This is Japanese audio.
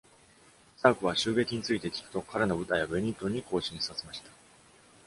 スタークは襲撃について聞くと彼の部隊をベニントンに行進させました。